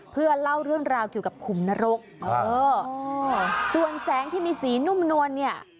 เพื่อเล่าเรื่องราวเกี่ยวกับขุมนรกเออส่วนแสงที่มีสีนุ่มนวลเนี่ย